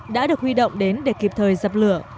đã được huy động đến để kịp thời dập lửa